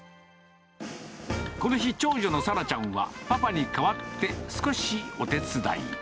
この日、長女の咲羅ちゃんは、パパに代わって少しお手伝い。